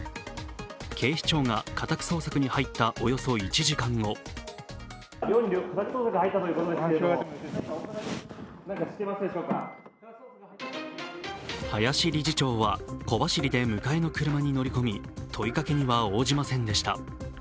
警視庁が家宅捜索に入ったおよそ１時間後林理事長は小走りで迎えの車に乗り込み問いかけには応じませんでした。